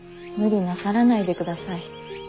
無理なさらないでください。